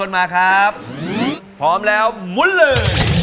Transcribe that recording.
นะครับพี่